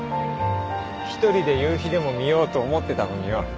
一人で夕日でも見ようと思ってたのによ。